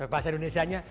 bahasa indonesia nya